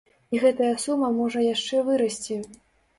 І гэтая сума можа яшчэ вырасці.